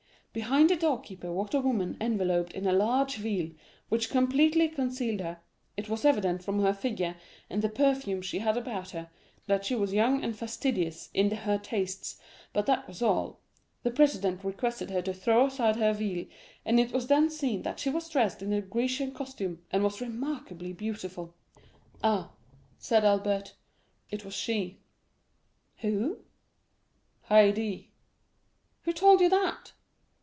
Behind the door keeper walked a woman enveloped in a large veil, which completely concealed her. It was evident, from her figure and the perfumes she had about her, that she was young and fastidious in her tastes, but that was all. The president requested her to throw aside her veil, and it was then seen that she was dressed in the Grecian costume, and was remarkably beautiful." "Ah," said Albert, "it was she." "Who?" "Haydée." "Who told you that?"